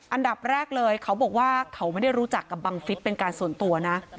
อันดับแรกเลยเขาบอกว่าเขาไม่ได้รู้จักกับบังฟิศเป็นการส่วนตัวนะ